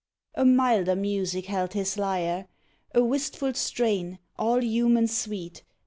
A milder music held his lyre — A wistful strain, all human sweet.